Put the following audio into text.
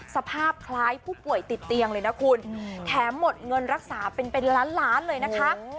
สภาพคล้ายผู้ป่วยติดเตียงเลยนะคุณแถมหมดเงินรักษาเป็นล้านล้านเลยนะคะ